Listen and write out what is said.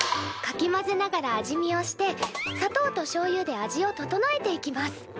かき混ぜながら味見をして砂糖としょうゆで味を調えていきます。